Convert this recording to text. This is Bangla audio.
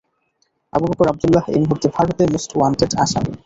আবু বকর আব্দুল্লাহ এই মূহুর্তে ভারতে মোস্ট ওয়ান্টেড আসামী।